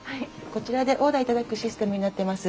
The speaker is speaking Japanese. こちらでオーダーいただくシステムになっています。